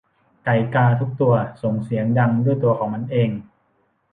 ไก่กาทุกตัวส่งเสียงดังด้วยตัวของมันเอง